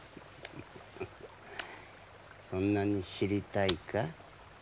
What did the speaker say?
そんなに知りたいか？